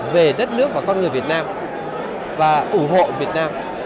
về đất nước và con người việt nam và ủng hộ việt nam